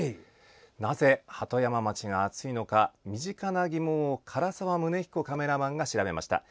なぜ鳩山町が暑いのか身近な疑問を唐沢カメラマンが調べました。